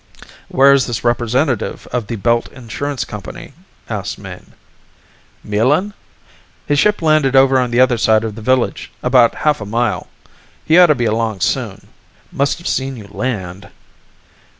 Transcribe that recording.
"Where is this representative of the Belt Insurance Company?" asked Mayne. "Melin? His ship landed over on the other side of the village, about half a mile. He oughta be along soon. Must've seen you land."